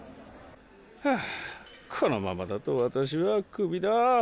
はぁこのままだと私はクビだ。